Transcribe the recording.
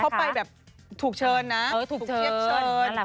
เขาไปแบบถูกเชิญนะถูกเทียบเชิญ